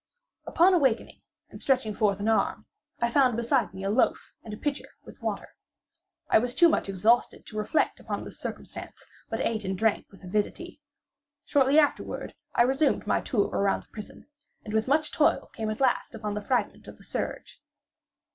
Upon awaking, and stretching forth an arm, I found beside me a loaf and a pitcher with water. I was too much exhausted to reflect upon this circumstance, but ate and drank with avidity. Shortly afterward, I resumed my tour around the prison, and with much toil came at last upon the fragment of the serge.